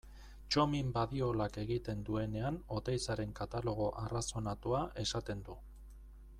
Txomin Badiolak egiten duenean Oteizaren katalogo arrazonatua esaten du.